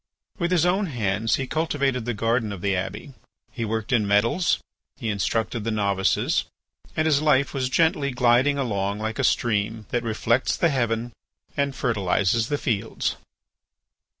With his own hands he cultivated the garden of the Abbey, he worked in metals, he instructed the novices, and his life was gently gliding along like a stream that reflects the heaven and fertilizes the fields.